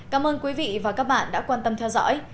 cảm ơn quý vị và các bạn đã quan tâm theo dõi